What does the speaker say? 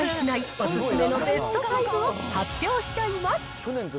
お勧めのベスト５を発表しちゃいます。